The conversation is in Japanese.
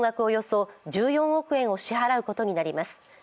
およそ１４億円を支払うことになります。